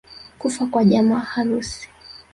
Kufa kwa jamaa, harusi